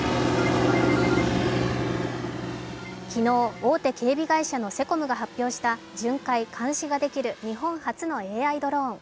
昨日、大手警備会社のセコムが発表した巡回・監視ができる日本初のＡＩドローン。